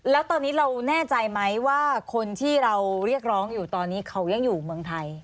แล้วตอนนี้เราแน่ใจไหมว่าคนที่เราเรียกร้องอยู่ตอนนี้เขายังอยู่เมืองไทย